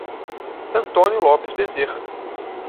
Antônio Lopes Bezerra